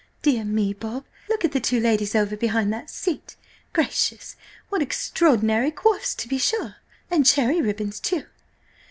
–Dear me, Bob, look at the two ladies over behind that seat!–Gracious! what extraordinary coifs, to be sure! And cherry ribbons, too!